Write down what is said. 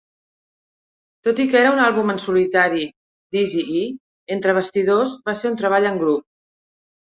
Tot i que era un àlbum en solitari d'Eazy-E, entre bastidors va ser un treball en grup.